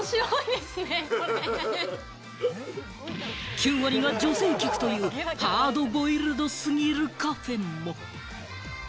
９割が女性客というハードボイルド過ぎるカフェも。